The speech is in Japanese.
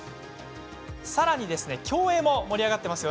さらに、競泳も盛り上がっていますよね。